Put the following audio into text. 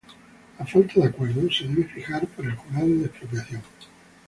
A falta de acuerdo, se debe fijar por el Jurado de Expropiación.